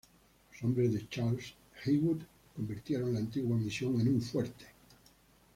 Los hombres de Charles Heywood convirtieron la antigua misión en un fuerte.